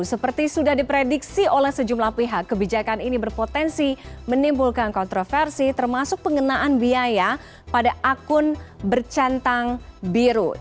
seperti sudah diprediksi oleh sejumlah pihak kebijakan ini berpotensi menimbulkan kontroversi termasuk pengenaan biaya pada akun bercantang biru